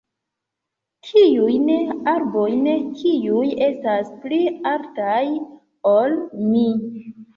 tiujn arbojn kiuj estas pli altaj ol mi!